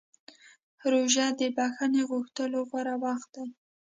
روژه د بښنې غوښتلو غوره وخت دی.